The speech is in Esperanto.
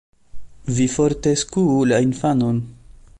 Vi forte skuu la infanon.